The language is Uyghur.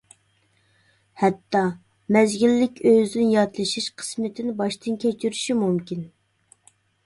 ھەتتا مەزگىللىك ئۆزىدىن ياتلىشىش قىسمىتىنى باشتىن كەچۈرۈشى مۇمكىن.